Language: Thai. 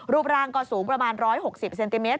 รูปร่างก็สูงประมาณ๑๖๐เซนติเมต